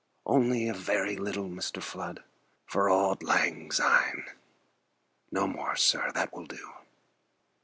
"Only a very little, Mr. Flood For auld lang syne. No more, sir; that will do."